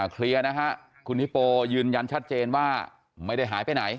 เคลียร์นะฮะคุณฮิโปยืนยันชัดเจนว่าไม่ได้หายไปไหน